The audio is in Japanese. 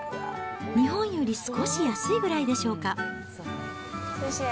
日本より少し安いぐらいでしょうか。